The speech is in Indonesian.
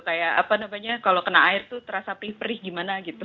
kayak apa namanya kalau kena air tuh terasa perih perih gimana gitu